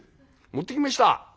持ってきました」。